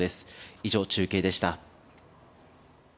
以上、中継でした。